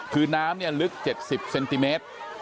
คือน้ำลึก๗๐เซนติเมตร